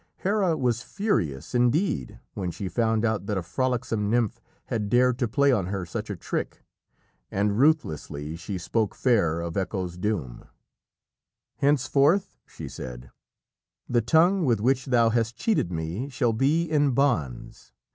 Hera was furious indeed when she found out that a frolicsome nymph had dared to play on her such a trick, and ruthlessly she spoke fair Echo's doom. "Henceforth," she said, "the tongue with which thou hast cheated me shall be in bonds.